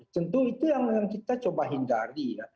tentu itu yang kita coba hindari ya